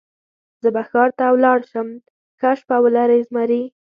زه به ښار ته ولاړ شم، ښه شپه ولرئ زمري.